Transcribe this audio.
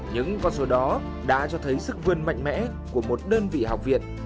những con số đó đã cho thấy sức vươn mạnh mẽ của một đơn vị học viện